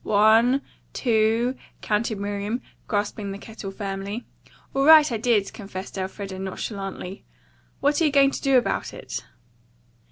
"One, two," counted Miriam, grasping the kettle firmly. "All right, I did," confessed Elfreda nonchalantly. "What are you going to do about it?"